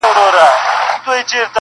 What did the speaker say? o واک د زړه مي عاطفو ته ورکړ ځکه,